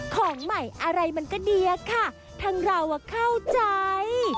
ของใหม่อะไรมันก็ดีอะค่ะทั้งเราเข้าใจ